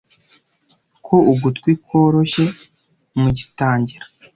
Ko ugutwi kworoshye mugitangira